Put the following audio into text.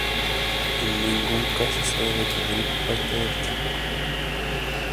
En ningún caso se debe cubrir parte del tronco.